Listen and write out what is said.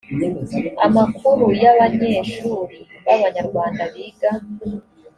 amakuru y abanyeshuri b abanyarwanda biga